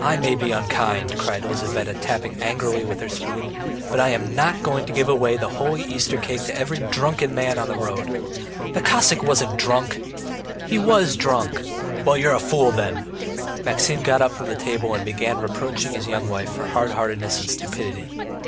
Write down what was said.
"I may be unkind," cried Lizaveta, tapping angrily with her spoon, "but I am not going to give away the holy Easter cake to every drunken man in the road." "The Cossack wasn't drunk!" "He was drunk!" "Well, you are a fool then!" Maxim got up from the table and began reproaching his young wife for hard heartedness and stupidity.